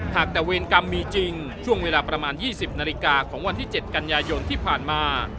หากแต่เวรกรรมมีจริงช่วงเวลาประมาณ๒๐นาฬิกาของวันที่๗กันยายนที่ผ่านมา